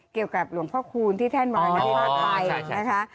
เกี่ยวกับหลวงพ่อคูณที่แท่นบริษัทไพร